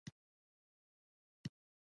فابریکې باید څنګه جوړې شي؟